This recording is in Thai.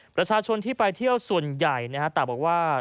ประชาชนที่ไปเที่ยวส่วนใหญ่ต่างบอกว่า